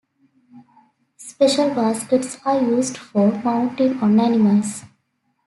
Special baskets are used for mounting on animals.